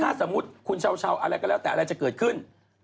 ถ้าสมมุติคุณเช้าอะไรก็แล้วแต่อะไรจะเกิดขึ้น